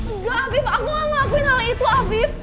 enggak afif aku gak ngelakuin hal itu afif